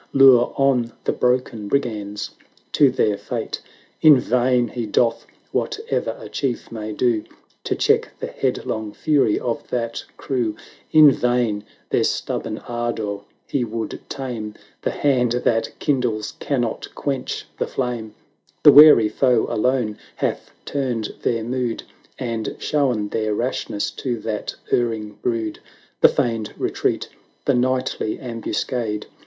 Lure on the broken brigands to their fate: In vain he doth whate'er a chief may do, To check the headlong fury of that crew; In vain their stubborn ardour he would tame, The hand that kindles cannot quench the flame; The wary foe alone hath turned their mood, And shown their rashness to that erring brood : 940 The feigned retreat, the nightly am buscade.